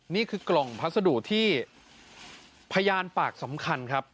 นี่คือกล่องพัสดุที่พยานปากสำคัญครับ